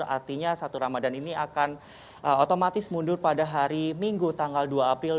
artinya satu ramadhan ini akan otomatis mundur pada hari minggu tanggal dua april dua ribu dua puluh dua